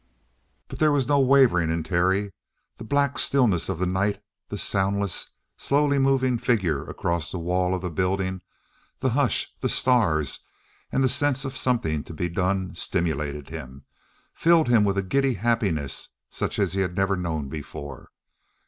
But there was no wavering in Terry. The black stillness of the night; the soundless, slowly moving figure across the wall of the building; the hush, the stars, and the sense of something to be done stimulated him, filled him with a giddy happiness such as he had never known before.